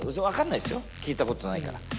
分かんないですよ聞いたことないから。